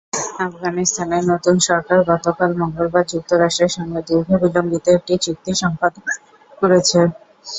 আফগানিস্তানের নতুন সরকার গতকাল মঙ্গলবার যুক্তরাষ্ট্রের সঙ্গে দীর্ঘ বিলম্বিত একটি চুক্তি সম্পাদন করেছে।